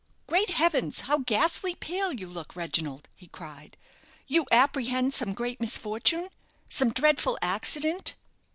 "Great heavens! how ghastly pale you look, Reginald!" he cried; "you apprehend some great misfortune some dreadful accident?"